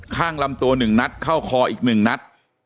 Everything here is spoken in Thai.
ข้างลำตัว๑นัดเข้าคออีก๑นัด